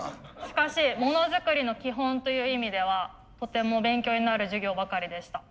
しかしモノづくりの基本という意味ではとても勉強になる授業ばかりでした。